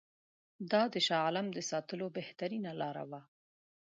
دا د شاه عالم د ساتلو بهترینه لاره وه.